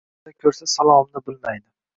Ko`chada ko`rsa salomni bilmaydi